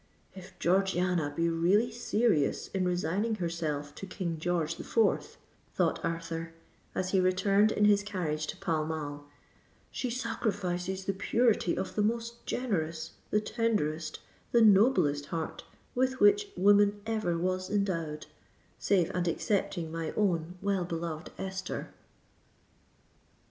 "If Georgiana be really serious in resigning herself to King George the Fourth," thought Arthur, as he returned in his carriage to Pall Mall, "she sacrifices the purity of the most generous—the tenderest—the noblest heart with which woman ever was endowed,—save and excepting my own well beloved Esther!"